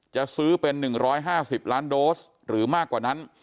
จะซื้อเป็น๑๕๐ล้านโดสหรือมากกว่านั้น